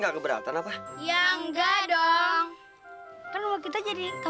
ikut aku yuk